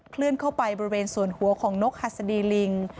เคลื่อนเข้าไปบริเวณส่วนหัวของนกหัสดีลิง